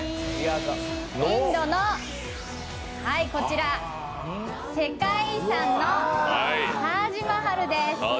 インドの世界遺産のタージ・マハルです。